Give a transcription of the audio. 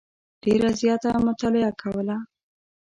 ډېره زیاته مطالعه کوله.